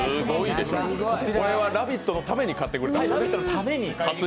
これは「ラヴィット！」のために買ってくれたんですね。